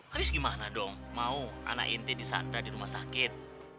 habis gimana dong mau anak inti di sandra di rumah sakit